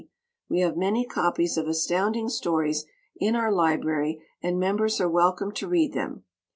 We have many copies of Astounding Stories in our library and members are welcome to read them.